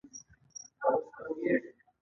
افغانستان څومره کلنی عاید لري؟